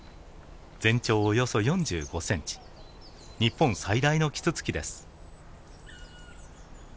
全長およそ４５センチ日本最大のキツツキです。